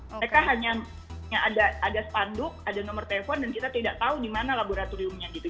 mereka hanya ada spanduk ada nomor telepon dan kita tidak tahu di mana laboratoriumnya gitu